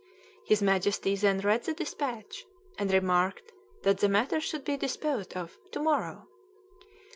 His Majesty then read the despatch, and remarked that the matter should be disposed of "to morrow."